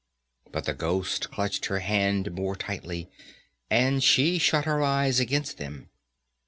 but the ghost clutched her hand more tightly, and she shut her eyes against them.